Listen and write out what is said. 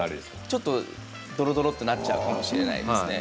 ちょっとドロドロとなっちゃうかもしれないですね